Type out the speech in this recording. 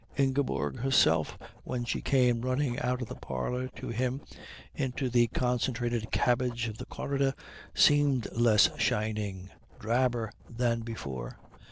Ingeborg herself when she came running out of the parlour to him into the concentrated cabbage of the corridor seemed less shining, drabber than before.